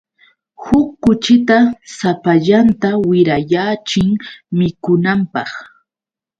Huk kuchita sapallanta wirayaachin mikunanpaq.